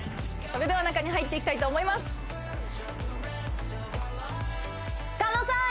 それでは中に入っていきたいと思います狩野さん